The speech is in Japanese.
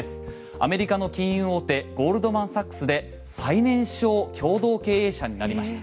アメリカの金融大手ゴールドマンサックスで最年少共同経営者になりました。